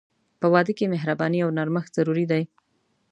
په واده کې مهرباني او نرمښت ضروري دي.